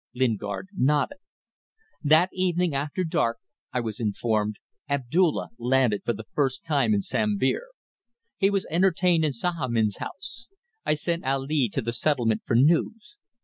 Lingard nodded. "That evening, after dark I was informed Abdulla landed for the first time in Sambir. He was entertained in Sahamin's house. I sent Ali to the settlement for news.